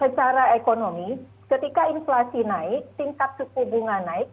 secara ekonomi ketika inflasi naik tingkat suku bunga naik